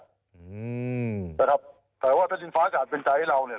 อืมนะครับแต่ว่าถ้าดินฟ้าอากาศเป็นใจให้เราเนี่ย